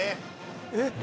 「えっ！」